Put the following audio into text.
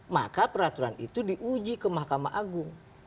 maka peraturan itu diuji ke mahkamah agung